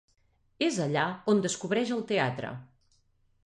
És allà on descobreix el teatre.